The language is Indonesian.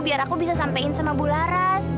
biar aku bisa sampein sama bularas